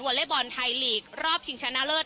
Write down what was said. เล็ตบอลไทยลีกรอบชิงชนะเลิศ